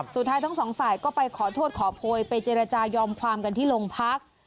สุดท้ายทั้งสองฝ่ายก็ไปขอโทษขอโพยไปเจรจายอมความกันที่โรงพัก